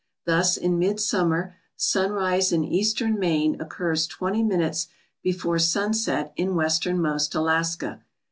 Thus, in midsummer, sunrise in eastern Maine occurs 20 minutes before sunset in westernmost Alaska.